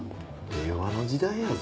令和の時代やぞ。